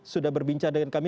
sudah berbincang dengan kami